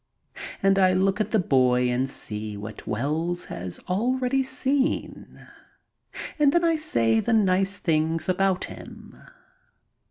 And I look at the boy and see what Wells has already seen and then I say the nice things about him.